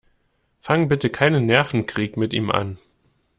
Fang bitte keinen Nervenkrieg mit ihm an.